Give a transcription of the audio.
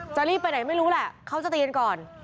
จะรีบไปไหนไม่รู้แหละเขาจะตีกันก่อน